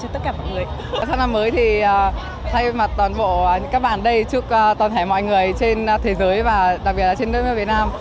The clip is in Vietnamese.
trước khi mặt toàn bộ các bạn đây chúc toàn thể mọi người trên thế giới và đặc biệt là trên đất nước việt nam